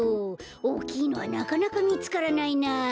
おおきいのはなかなかみつからないなあ。